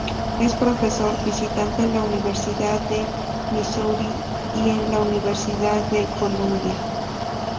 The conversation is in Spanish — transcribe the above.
Es Profesor visitante en la Universidad de Missouri y en la Universidad de Columbia.